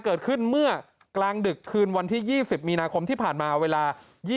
เกิดขึ้นเมื่อกลางดึกคืนวันที่๒๐มีนาคมที่ผ่านมาเวลา